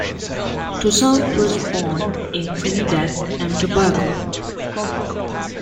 Toussaint was born in Trinidad and Tobago.